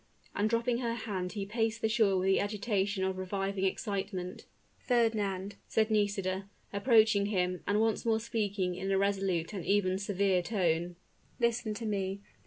And dropping her hand he paced the shore with the agitation of reviving excitement. "Fernand," said Nisida, approaching him, and once more speaking in a resolute and even severe tone "listen to me.